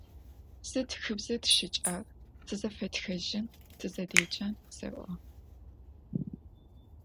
Зы тхыбзэ тищыкӏагъ: тызэфэтхэжьын, тызэдеджэн, сэӏо.